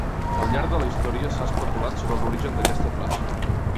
Al llarg de la història s'ha especulat sobre l'origen d'aquesta traça.